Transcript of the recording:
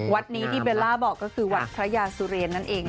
วัดนี้ที่เบลล่าบอกก็คือวัดพระยาสุเรนนั่นเอง